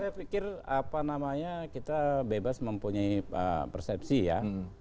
saya pikir kita bebas mempunyai persepsi ya